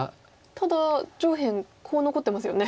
ただ上辺コウ残ってますよね。